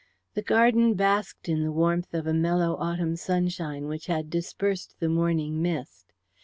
The garden basked in the warmth of a mellow autumn sunshine which had dispersed the morning mist.